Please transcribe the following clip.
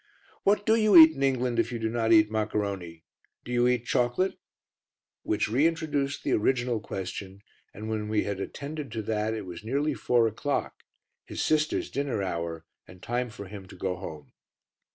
"What do you eat in England if you do not eat maccaroni? Do you eat chocolate?" Which reintroduced the original question, and when we had attended to that, it was nearly four o'clock, his sister's dinner hour and time for him to go home.